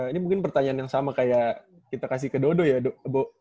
ini mungkin pertanyaan yang sama kayak kita kasih ke dodo ya dok